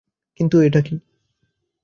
কিন্তু এটা কী?